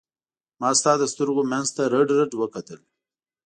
ما ستا د سترګو منځ ته رډ رډ وکتل.